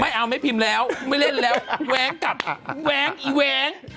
ไม่เอาไม่พิมพ์แล้วไม่เล่นแล้วแว้งกลับอ่ะแว้งอีแว้ง